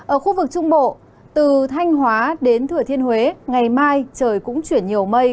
ở khu vực trung bộ từ thanh hóa đến thừa thiên huế ngày mai trời cũng chuyển nhiều mây